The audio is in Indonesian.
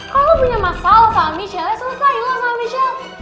kalo lo punya masalah sama michelle ya selesai lo sama michelle